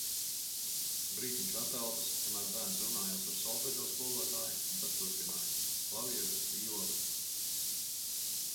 Brītiņš atelpas, kamēr bērns runājās ar solfedžo skolotāju, un tad turpinājums - klavieres, vijole...